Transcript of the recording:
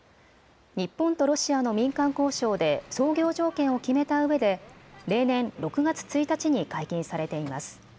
日本とロシアの民間交渉で操業条件を決めたうえで例年６月１日に解禁されています。